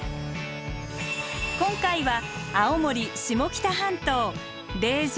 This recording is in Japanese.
今回は青森下北半島霊場